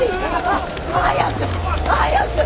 早く！早く！